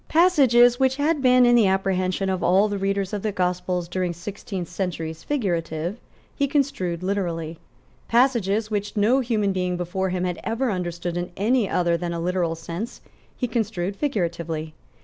Passages, which had been, in the apprehension of all the readers of the Gospels during sixteen centuries, figurative, he construed literally. Passages, which no human being before him had ever understood in any other than a literal sense, he construed figuratively.